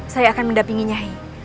saya akan mendapingi nyai